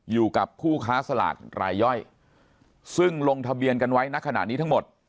อยู่กับผู้ค้าสลากรายย่อยซึ่งลงทะเบียนกันไว้ณขณะนี้ทั้งหมด